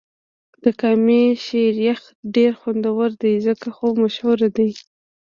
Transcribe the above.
د کامی شیر یخ ډېر خوندور دی ځکه خو مشهور دې.